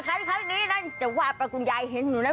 แค่นี้นะแต่ว่าแกเพราะคุณยายเห็นเหรอนะ